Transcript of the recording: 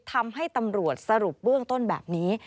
ทำให้ตำรวจสรุปเบื้องต้นแบบนี้